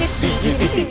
eksklusif di gtv